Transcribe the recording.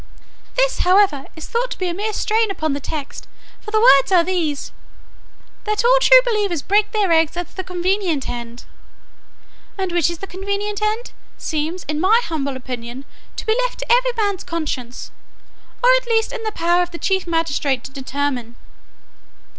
This, however, is thought to be a mere strain upon the text; for the words are these: 'that all true believers break their eggs at the convenient end.' And which is the convenient end, seems, in my humble opinion to be left to every man's conscience, or at least in the power of the chief magistrate to determine.